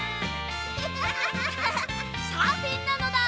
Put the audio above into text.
サーフィンなのだ！